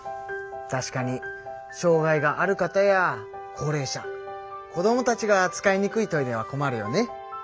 確かに障害がある方や高れい者こどもたちが使いにくいトイレは困るよね。